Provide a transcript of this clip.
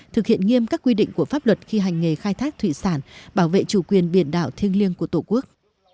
thực hiện nghiêm các quy định của pháp luật khi hành nghề khai thác thủy sản bảo vệ chủ quyền biển đảo thiêng liêng của tổ quốc